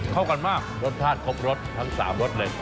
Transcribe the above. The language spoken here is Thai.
เข้ากันมากรสชาติครบรสทั้ง๓รสเลย